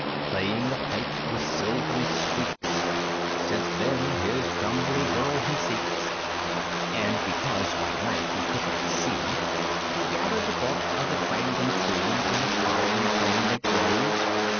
Playing a pipe with silvery squeaks, Since then his Jumbly Girl he seeks, And because by night he could not see, He gathered the bark of the Twangum Tree On the flowery plain that grows.